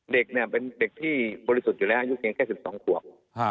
เด็กเนี่ยเป็นเด็กที่บริสุทธิ์อยู่แล้วอายุเพียงแค่๑๒ขวบ